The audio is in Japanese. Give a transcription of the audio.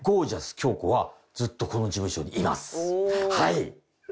はい。